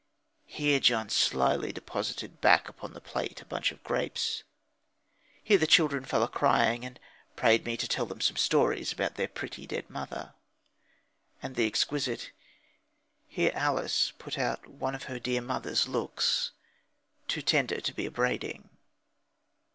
"Here John slily deposited back upon the plate a bunch of grapes." "Here the children fell a crying ... and prayed me to tell them some stories about their pretty dead mother." And the exquisite: "Here Alice put out one of her dear mother's looks, too tender to be upbraiding."